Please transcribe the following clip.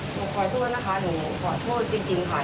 หนูขอโทษนะคะหนูขอโทษจริงค่ะ